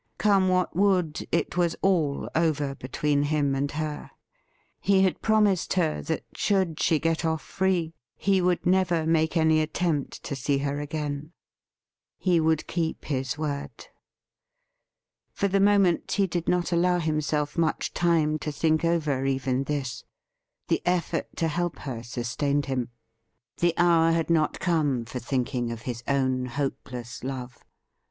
Come what would, it was all over between him and her. He had promised her that, should she get off free, he would never make any attempt to see her again. He would keep his word. For the moment he did not allow himself much time to think over even this. The effort to help her sustained him. The hour had not come for thinking of his own hopeless love.